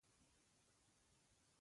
که ګاونډي ته خوشحالي وي، ته یې ونازوه